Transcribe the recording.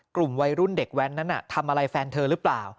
กลุ่มวัยรุ่นเด็กแว้นนั้นทำอะไรแฟนเธอหรือเปล่า